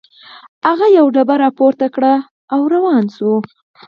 هغه يوه بوشکه را پورته کړه او روان شو.